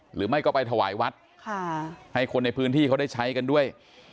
หรือไม่ก็ไปถวายวัดให้คนในพื้นที่เขาได้ใช้กันด้วย